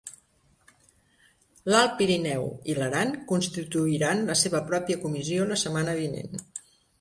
L'Alt Pirineu i l'Aran constituiran la seva pròpia comissió la setmana vinent.